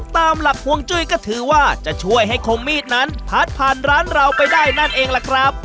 ตามหลักฮวงจุ้ยก็ถือว่าจะช่วยให้คมมีดนั้นพัดผ่านร้านเราไปได้นั่นเองล่ะครับ